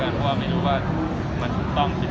ทุกคนก็ชอบการบอกกับคลับ